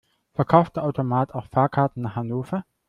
Verkauft der Automat auch Fahrkarten nach Hannover?